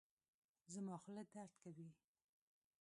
زما خوله درد کوي